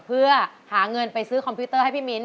เพื่อหาเงินไปซื้อคอมพิวเตอร์ให้พี่มิ้นท